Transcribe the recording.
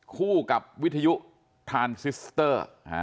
คู่กับวิทยุทานซิสเตอร์